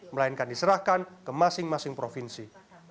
melainkan diserahkan ke masing masing provinsi